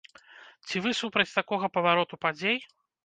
Ці вы супраць такога павароту падзей?